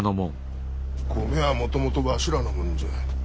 米はもともとわしらのもんじゃ。